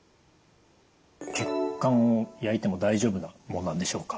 血管を焼いても大丈夫なものなんでしょうか？